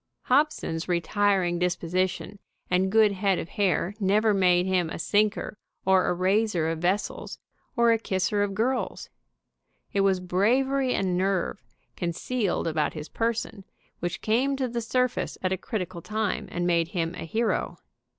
Hobson's retiring disposition and good head of hair never made him a sinker or a raiser of vessels, or a kisser of girls. It was bravery and nerve, con cealed about his person, which came to the surface at a critical time and made him a hero.